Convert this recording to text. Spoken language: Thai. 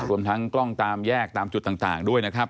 รวมทั้งกล้องตามแยกตามจุดต่างด้วยนะครับ